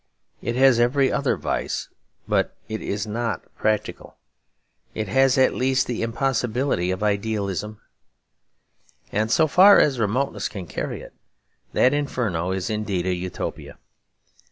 It has every other vice, but it is not practical. It has at least the impossibility of idealism; and so far as remoteness can carry it, that Inferno is indeed a Utopia.